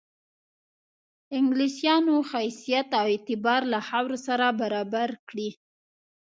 انګلیسیانو حیثیت او اعتبار له خاورو سره برابر کړي.